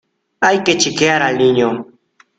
¡Hay que chiquear al niño!